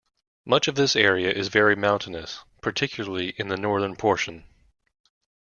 Much of this area is very mountainous, particularly in the northern portion.